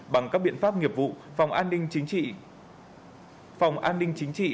bằng các biện pháp nghiệp vụ phòng an ninh chính trị